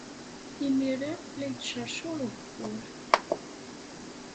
Imir-a, la yettceṛcuṛ ugeffur.